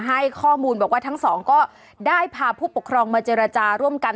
ให้ข้อมูลบอกว่าทั้งสองก็ได้พาผู้ปกครองมาเจรจาร่วมกัน